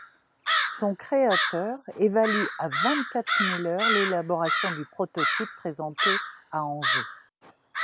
Son créateur évalue à vingt-quatre mille heures l'élaboration du prototype présenté à Angers.